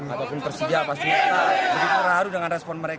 ataupun persija pasti terharu dengan respon mereka